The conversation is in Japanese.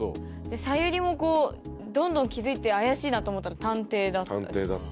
さゆりもどんどん気付いて怪しいなと思ったら探偵だったし。